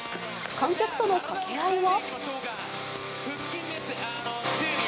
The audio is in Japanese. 観客との掛け合いは。